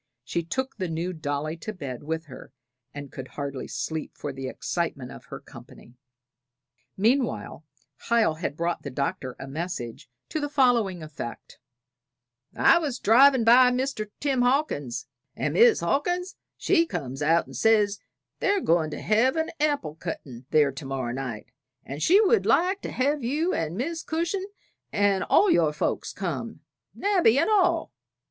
She took the new dolly to bed with her, and could hardly sleep, for the excitement of her company. Meanwhile, Hiel had brought the Doctor a message to the following effect: "I was drivin' by Tim Hawkins', and Mis' Hawkins she comes out and says they're goin' to hev an apple cuttin' there to morrow night, and she would like to hev you and Mis' Cushin' and all your folks come Nabby and all."